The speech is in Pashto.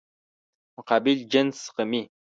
مقابل جنس زغمي.